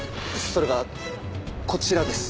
それがこちらです。